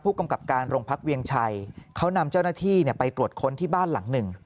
กำกับการโรงพักเวียงชัยเขานำเจ้าหน้าที่ไปตรวจค้นที่บ้านหลังหนึ่ง